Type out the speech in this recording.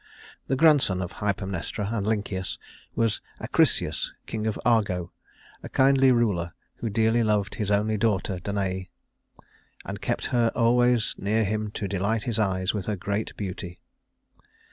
The grandson of Hypermnestra and Lynceus was Acrisius, king of Argo, a kindly ruler who dearly loved his only daughter Danaë, and kept her always near him to delight his eyes with her great beauty.